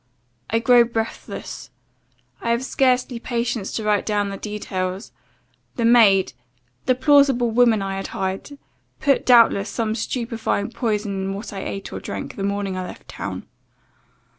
I grow breathless. I have scarcely patience to write down the details. The maid the plausible woman I had hired put, doubtless, some stupefying potion in what I ate or drank, the morning I left town.